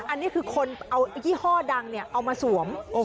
อันนี้คือคนเอายี่ห้อดังเอามาสวม